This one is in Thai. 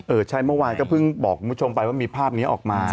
ใช่เมื่อวานก็เพิ่งบอกคุณผู้ชมไปว่ามีภาพนี้ออกมา